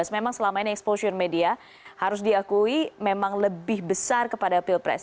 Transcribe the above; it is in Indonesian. memang selama ini exposure media harus diakui memang lebih besar kepada pilpres